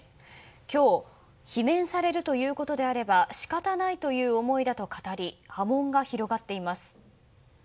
今日、罷免されるということであれば仕方ないという思いだと語り波紋が広がっています。